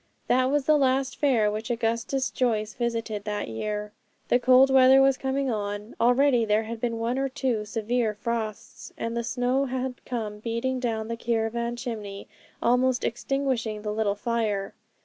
That was the last fair which Augustus Joyce visited that year. The cold weather was coming on; already there had been one or two severe frosts, and the snow had come beating down the caravan chimney, almost extinguishing the little fire.